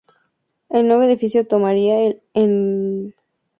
El nuevo edificio formaría el "Enron Center South" dentro del "Enron Complex".